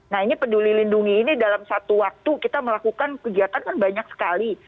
nah ini peduli lindungi ini dalam satu waktu kita melakukan kegiatan kan banyak sekali